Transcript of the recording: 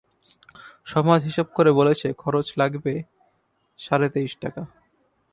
সমাজ হিসেব করে বলেছে, খরচ লাগবে সাড়ে তেইশ টাকা।